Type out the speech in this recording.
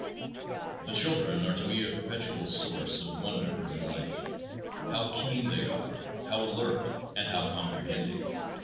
The children are to me a perpetual source of wonder and delight. How keen they are, how alert, and how comprehending!